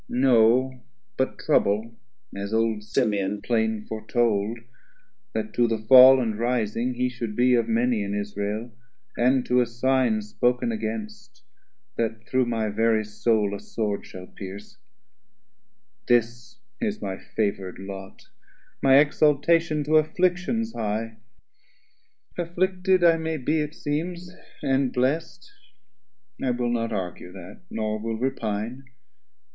no, But trouble, as old Simeon plain foretold, That to the fall and rising he should be Of Many in Israel, and to a sign Spoken against, that through my very Soul 90 A sword shall pierce, this is my favour'd lot, My Exaltation to Afflictions high; Afflicted I may be, it seems, and blest; I will not argue that, nor will repine.